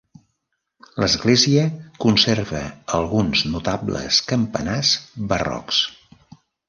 L'església conserva alguns notables campanars barrocs.